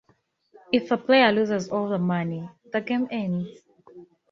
If the player loses all the money, the game ends.